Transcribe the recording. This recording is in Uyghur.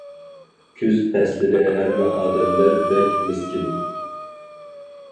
كۈز پەسلىدە ھەممە ئادەملەر بەك مىسكىن.